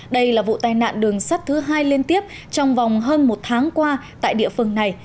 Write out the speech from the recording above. đây là vụ tai nạn đường sắt thứ hai liên tiếp trong vòng hơn một tháng qua tại địa phương này